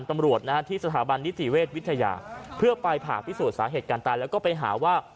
ตำรวจนะฮะที่สถาบันนิติเวชวิทยาเพื่อไปผ่าพิสูจน์สาเหตุการตายแล้วก็ไปหาว่า